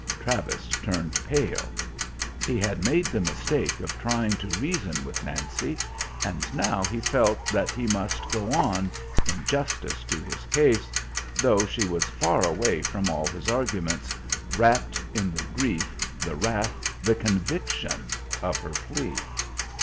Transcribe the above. Travis turned pale. He had made the mistake of trying to reason with Nancy, and now he felt that he must go on, in justice to his case, though she was far away from all his arguments, rapt in the grief, the wrath, the conviction, of her plea.